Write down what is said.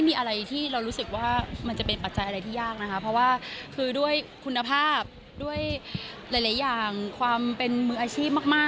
มันมีคอมเมนต์ค่อนข้างนุ้นแรงคือประเภทนี้ละคร